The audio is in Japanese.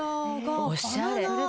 おしゃれ。